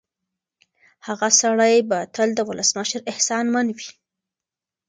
هغه سړی به تل د ولسمشر احسانمن وي.